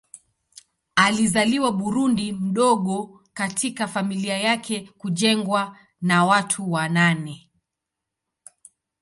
Alizaliwa Burundi mdogo katika familia yenye kujengwa na watu wa nane.